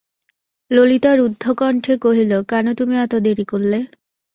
ললিতা রুদ্ধকণ্ঠে কহিল, কেন তুমি এত দেরি করলে?